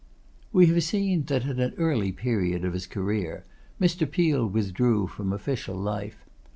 We have seen that at an early period of his career, Mr. Peel withdrew from official life.